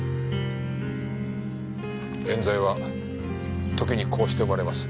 冤罪は時にこうして生まれます。